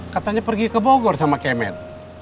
katanya pergi ke bogor sama kemen